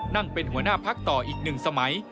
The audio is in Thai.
นั่งเป็นหัวหน้าพักต่ออีก๑สมัย